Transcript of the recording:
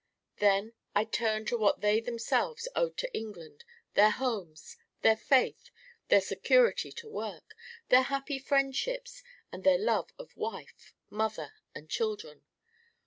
Then I turned to what they themselves owed to England, their homes, their faith, their security to work, their happy friendships, and their love of wife, mother, and children.